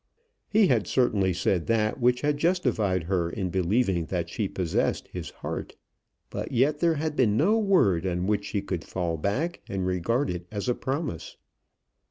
He had certainly said that which had justified her in believing that she possessed his heart. But yet there had been no word on which she could fall back and regard it as a promise.